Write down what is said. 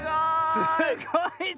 すごい！